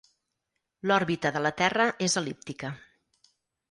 L'òrbita de la Terra és el·líptica.